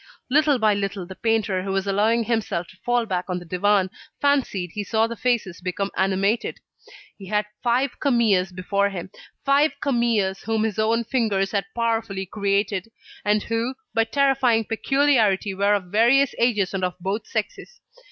Little by little, the painter, who was allowing himself to fall back on the divan, fancied he saw the faces become animated. He had five Camilles before him, five Camilles whom his own fingers had powerfully created, and who, by terrifying peculiarity were of various ages and of both sexes.